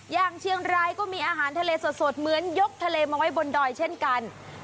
อย่างเชียงรายก็มีอาหารทะเลสดเหมือนยกทะเลมาไว้บนดอยเช่นกัน